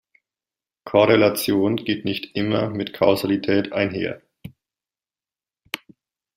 Korrelation geht nicht immer mit Kausalität einher.